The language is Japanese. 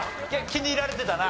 気に入られてたな。